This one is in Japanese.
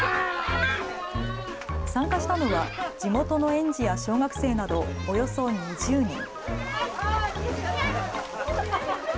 参加したのは、地元の園児や小学生など、およそ２０人。